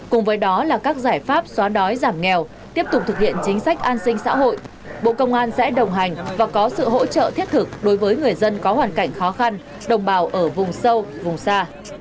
cùng với đó là các giải pháp xóa đói giảm nghèo tiếp tục thực hiện chính sách an sinh xã hội bộ công an sẽ đồng hành và có sự hỗ trợ thiết thực đối với người dân có hoàn cảnh khó khăn đồng bào ở vùng sâu vùng xa